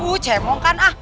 uh cemong kan ah